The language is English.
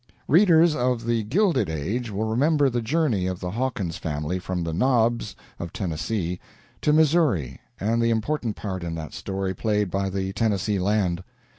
Readers of the "Gilded Age" will remember the journey of the Hawkins family from the "Knobs" of Tennessee to Missouri and the important part in that story played by the Tennessee land.